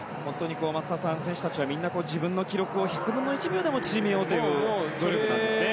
松田さん選手たちは自分の記録を１００分の１秒でも縮めようという努力なんですね。